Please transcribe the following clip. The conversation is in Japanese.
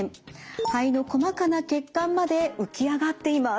肺の細かな血管まで浮き上がっています。